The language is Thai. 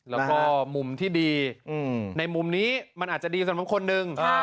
แล้วก็มุมที่ดีในมุมนี้มันอาจจะดีสำหรับคนหนึ่ง